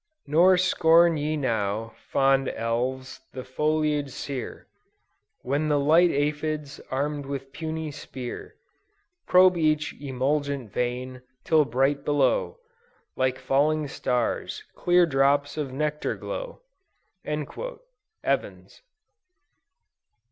"Nor scorn ye now, fond elves, the foliage sear, When the light aphids, arm'd with puny spear, Probe each emulgent vein, till bright below, Like falling stars, clear drops of nectar glow." _Evans.